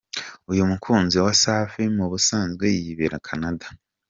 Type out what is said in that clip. Uyu mukunzi wa Safi mu busanzwe yibera Canada.